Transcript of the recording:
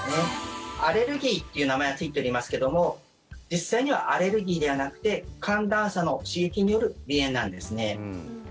アレルギーという名前はついておりますけども実際にはアレルギーではなくて寒暖差の刺激による鼻炎なんですね。